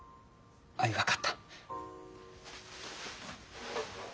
あい分かった。